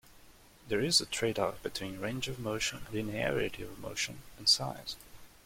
There is a tradeoff between range of motion, linearity of motion, and size.